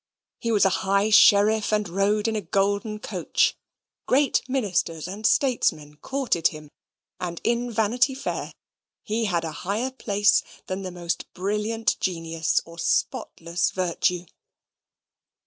He was high sheriff, and rode in a golden coach. Great ministers and statesmen courted him; and in Vanity Fair he had a higher place than the most brilliant genius or spotless virtue.